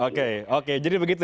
oke oke jadi begitu